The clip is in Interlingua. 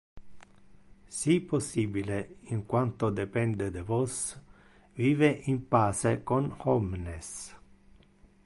Si possibile, in quanto depende de vos, vive in pace con omnes.